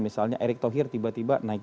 misalnya erick thohir tiba tiba naik